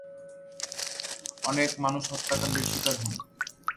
অনেক মানুষ হত্যাকাণ্ডের শিকার হন।